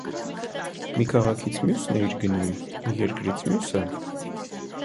- Մի քաղաքից մյո՞ւսն էիր գնում, մի երկրից մյո՞ւսը: